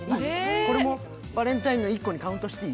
これもバレンタインの１個にカウントしていい？